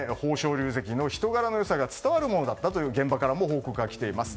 龍関の人柄の良さが伝わるものだったと現場からも報告がきています。